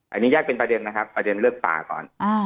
อันนี้แยกเป็นประเด็นนะครับประเด็นเลือกปลาก่อน